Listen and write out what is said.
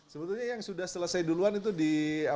sebetulnya yang sudah selesai duluan itu di